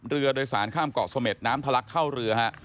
เรือโดยสารข้ามเกาะเสม็ดน้ำทะลักเข้าเรือฮะ